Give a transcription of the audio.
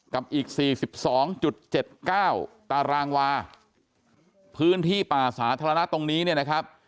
กับอีกสี่สิบสองจุดเจ็ดเก้าตารางวาพื้นที่ป่าสาธารณะตรงนี้เนี่ยนะครับ